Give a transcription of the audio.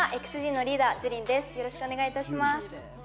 ＸＧのリーダーのＪＵＲＩＮです、よろしくお願いいたします。